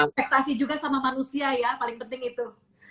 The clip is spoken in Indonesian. ekspektasi juga sama manusia ya paling penting itu